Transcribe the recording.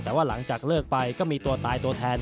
แต่ว่าหลังจากเลิกไปก็มีตัวตายตัวแทน